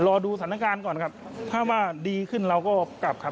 รอดูสถานการณ์ก่อนครับถ้าว่าดีขึ้นเราก็กลับครับ